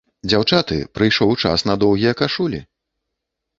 Дзяўчаты, прыйшоў час на доўгія кашулі!